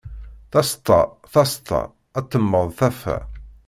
Taseṭṭa, taseṭṭa, ad temmed taffa.